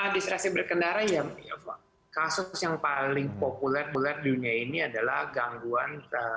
distrasi berkendara ya kasus yang paling populer buat dunia ini adalah gangguan